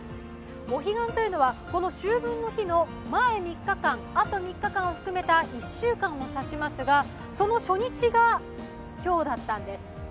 お彼岸というのは秋分の日の前３日間、後３日間を含めた１週間を指しますがその初日が今日だったんです。